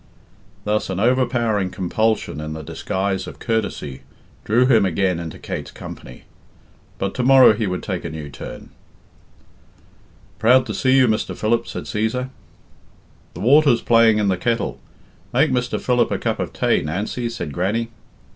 Thus an overpowering compulsion in the disguise of courtesy drew him again into Kate's company; but to morrow he would take a new turn. "Proud to see you, Mr. Philip," said Cæsar. "The water's playing in the kettle; make Mr. Philip a cup of tay, Nancy," said Grannie.